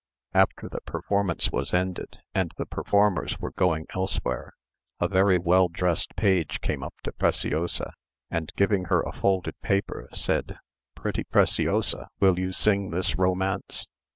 After the performance was ended, and the performers were going elsewhere, a very well dressed page came up to Preciosa, and giving her a folded paper, said, "Pretty Preciosa, will you sing this romance?